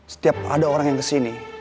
setiap ada orang yang kesini